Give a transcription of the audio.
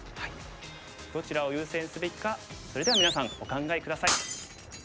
どちらを優先すべきかそれではみなさんお考え下さい。